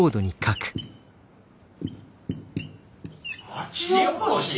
町おこし？